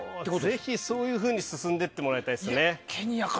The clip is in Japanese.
ぜひ、そういうふうに進んでいってもらいたいですね。